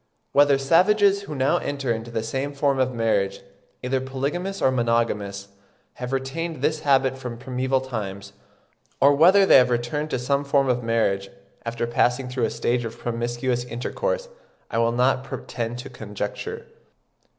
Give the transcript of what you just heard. Whether savages who now enter into some form of marriage, either polygamous or monogamous, have retained this habit from primeval times, or whether they have returned to some form of marriage, after passing through a stage of promiscuous intercourse, I will not pretend to conjecture.